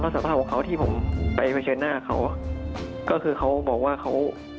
สภาพของเขาที่ผมไปเผชิญหน้าเขาก็คือเขาบอกว่าเขา